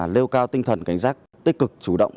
nêu cao tinh thần cảnh giác tích cực chủ động